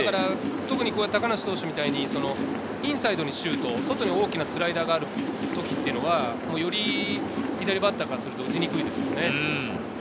高梨投手みたいにインサイドにシュート、外に大きなスライダーがあるときは、より左バッターからすると打ちにくいですよね。